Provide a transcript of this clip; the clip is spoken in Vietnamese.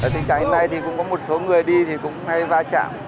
tình trạng hôm nay cũng có một số người đi cũng hay va chạm